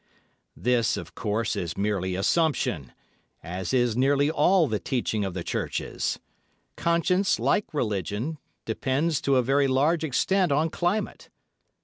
This, of course, is merely assumption, as is nearly all the teaching of the Churches. Conscience, like religion, depends to a very large extent on climate.